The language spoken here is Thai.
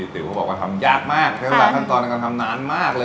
ติ๋วเขาบอกว่าทำยากมากใช้เวลาขั้นตอนในการทำนานมากเลย